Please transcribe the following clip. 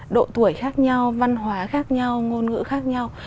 độ tuổi khác nhau văn hóa khác nhau ngôn ngữ khác nhau